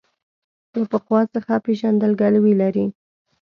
له پخوا څخه پېژندګلوي لري.